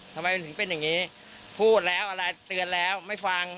ทำไมมันถึงเป็นอย่างนี้พูดแล้วอะไรเตือนแล้วไม่ฟัง